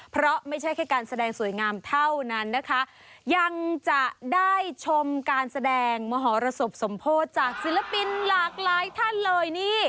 เพราะไม่ใช่แค่การแสดงสวยงามเท่านั้นนะคะยังจะได้ชมการแสดงมหรสบสมโพธิจากศิลปินหลากหลายท่านเลยนี่